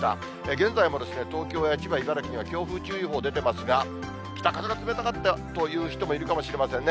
現在も東京や千葉、茨城には強風注意報出てますが、北風が冷たかったという人もいるかもしれませんね。